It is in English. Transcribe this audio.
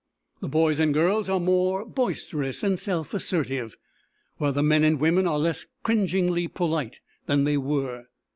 The boys and girls are more boisterous and self assertive, while the men and women are less cringingly polite than they were.